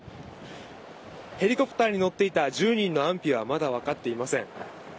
ヘリコプターに乗っていた１０人の安否はまだ分かっていません。